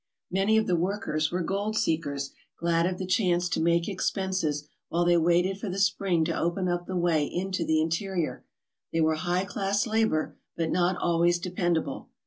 Many of the workers were gold seekers glad of the chance to make expenses while they waited for the spring to open up the way into the interior. They were high class labour but not always dependable.